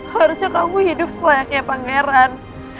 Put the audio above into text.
harusnya kamu hidup layaknya pangeran